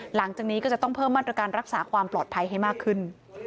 หลังจากนี้ก็จะต้องเพิ่มมาตรการรักษาความปลอดภัยให้มากขึ้น